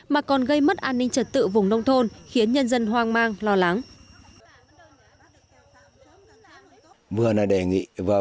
mà còn gây mất an ninh trật tự vùng nông thôn khiến nhân dân hoang mang lo lắng